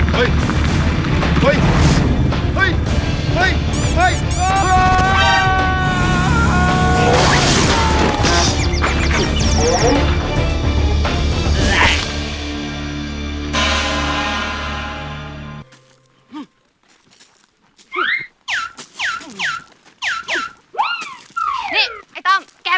เฮ้ยเฮ้ย